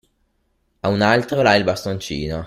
A un altro là il bastoncino